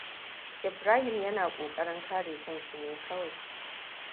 Ibrahim yana kokarin kare kanshi ne kawai.